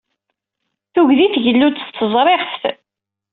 Tuggdi tgellu-d s teẓriɣeft.